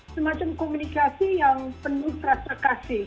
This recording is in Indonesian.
semacam komunikasi yang penuh rasa kasih